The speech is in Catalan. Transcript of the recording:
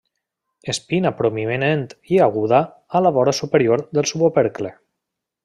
Espina prominent i aguda a la vora superior del subopercle.